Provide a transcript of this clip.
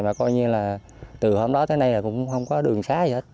mà coi như là từ hôm đó tới nay là cũng không có đường xa gì hết